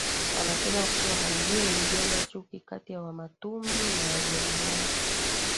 Anasema kuwa hali hiyo ilijenga chuki kati ya Wamatumbi na Wajerumani